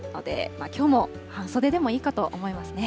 きょうも半袖でもいいかと思いますね。